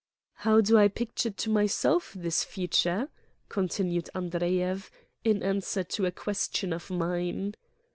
"How do I picture to myself this future!" con tinued Andreyev, in answer to a question of mine.